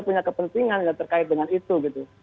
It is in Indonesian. punya kepentingan yang terkait dengan itu